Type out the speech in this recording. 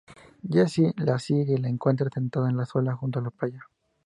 Jesse la sigue y la encuentra sentada sola junto a la playa.